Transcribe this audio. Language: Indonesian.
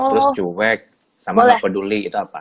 terus cuek sama enggak peduli itu apa